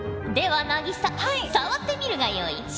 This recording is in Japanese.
では凪咲触ってみるがよい。